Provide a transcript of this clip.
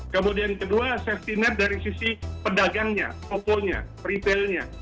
kemudian kedua safety net dari sisi pedagangnya tokonya retailnya